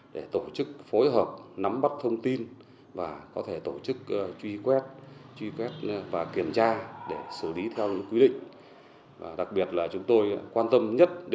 để làm sao cho nếu trong quá trình